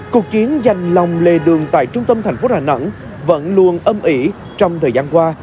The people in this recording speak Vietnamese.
cuộc chiến dành lòng lề đường tại trung tâm thành phố đà nẵng vẫn luôn âm ỉ trong thời gian qua